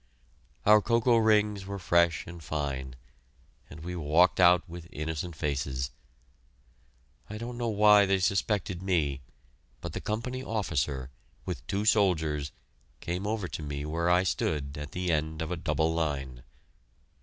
Our cocoa rings were fresh and fine, and we walked out with innocent faces. I don't know why they suspected me, but the Company officer, with two soldiers, came over to me where I stood at the end of a double line.